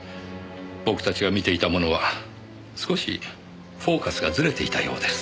僕たちが見ていたものは少しフォーカスがずれていたようです。